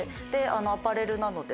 アパレルなので。